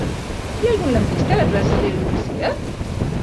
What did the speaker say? Hi ha algun lampista a la plaça de l'Odissea?